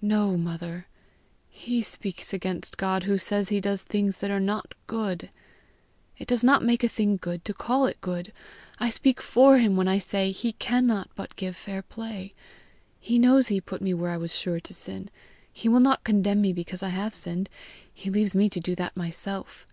"No, mother. He speaks against God who says he does things that are not good. It does not make a thing good to call it good. I speak FOR him when I say lie cannot but give fair play. He knows he put rue where I was sure to sin; he will not condemn me because I have sinned; he leaves me to do that myself.